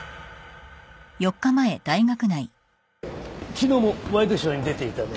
昨日もワイドショーに出ていたね。